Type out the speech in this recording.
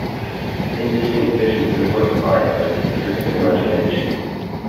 Indistinct visions of rook-pie floated through his imagination.